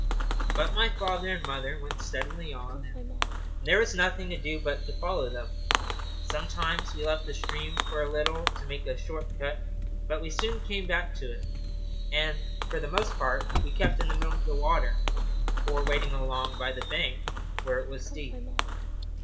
But my father and mother went steadily on, and there was nothing to do but to follow them. Sometimes we left the stream for a little to make a short cut, but we soon came back to it, and for the most part we kept in the middle of the water, or wading along by the bank where it was deep.